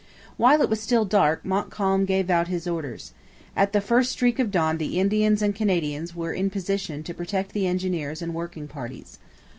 While it was still dark Montcalm gave out his orders. At the first streak of dawn the Indians and Canadians were in position to protect the engineers and working parties.